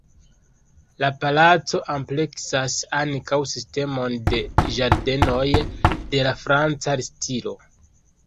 La palaco ampleksas ankaŭ sistemon de ĝardenoj de la franca stilo.